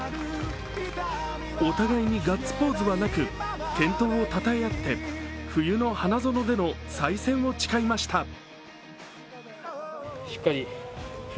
お互いにガッツポーズはなく健闘をたたえ合って冬の花園での再戦を誓いました。